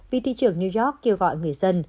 vì thị trường new york kêu gọi người dân